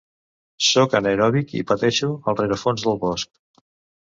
Sóc anaeròbic i pateixo al rerefons del bosc.